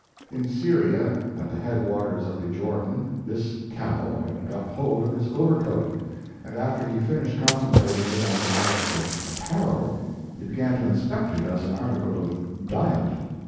In Syria, at the head waters of the Jordan, this camel had got hold of his overcoat; and after he finished contemplating it as an article of apparel, he began to inspect it as an article of diet.